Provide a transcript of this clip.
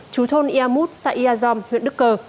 chú thôn iamut sayyazom huyện đức cơ